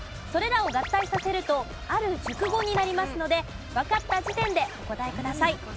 それらを合体させるとある熟語になりますのでわかった時点でお答えください。